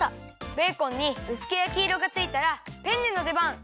ベーコンにうすくやきいろがついたらペンネのでばん！